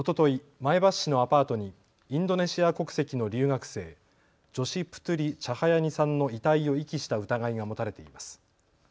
前橋市のアパートにインドネシア国籍の留学生、ジョシ・プトゥリ・チャハヤニさんの遺体を遺棄した疑いが持たれています。